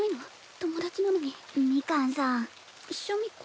友達なのにミカンさんシャミ子？